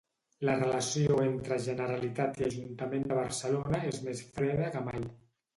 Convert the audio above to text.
La relació entre Generalitat i Ajuntament de Barcelona és més freda que mai.